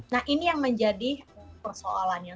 nah ini yang menjadi persoalannya